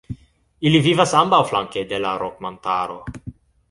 Ili vivas ambaŭflanke de la Rok-Montaro.